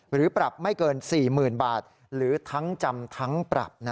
หรือปรับไม่เกิน๔๐๐๐บาทหรือทั้งจำทั้งปรับ